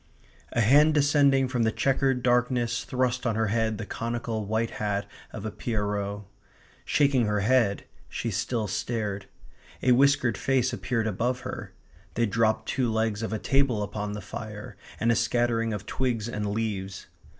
A hand descending from the chequered darkness thrust on her head the conical white hat of a pierrot. Shaking her head, she still stared. A whiskered face appeared above her. They dropped two legs of a table upon the fire and a scattering of twigs and leaves.